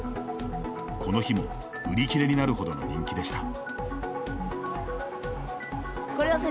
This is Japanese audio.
この日も売り切れになるほどの人気でした。